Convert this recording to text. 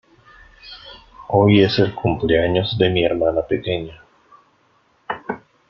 Hoy es el cumpleaños de mi hermana pequeña.